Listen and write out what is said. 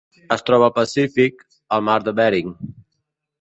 Es troba al Pacífic: el Mar de Bering.